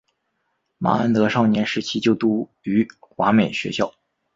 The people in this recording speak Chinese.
麻安德少年时期就读于华美学校。